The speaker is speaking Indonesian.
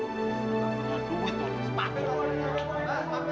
udah duit sepatu